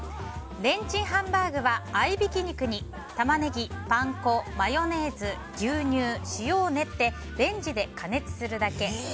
レンチンハンバーグは合いびき肉にタマネギ、パン粉、マヨネーズ牛乳、塩を練ってレンジで加熱するだけ。